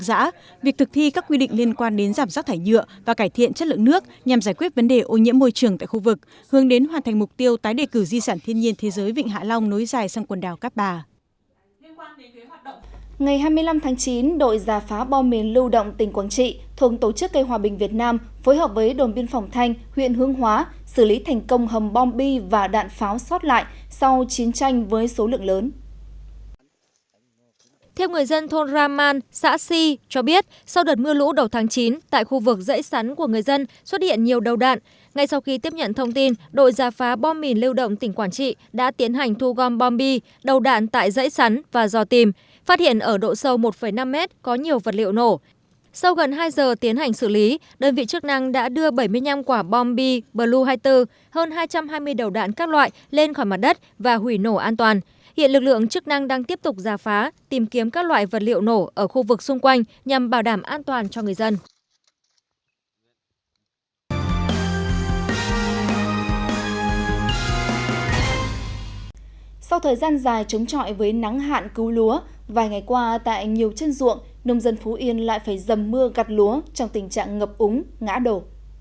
sau thời gian dài trống trọi với nắng hạn cứu lúa vài ngày qua tại nhiều chân ruộng nông dân phú yên lại phải dầm mưa gặt lúa trong tình trạng ngập úng ngã đổ